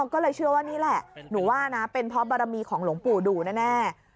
ก็เลยเชื่อว่านี่แหละหนูว่านะเป็นเพราะบารมีของหลวงปู่ดูแน่